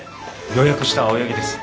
予約した青柳です。